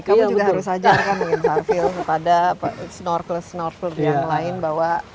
kamu juga harus ajar kan mungkin safil pada snorkel snorkel yang lain bahwa